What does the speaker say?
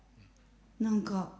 何か。